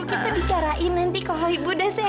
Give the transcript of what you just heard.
kita bicarain nanti kalau ibu udah sehat ya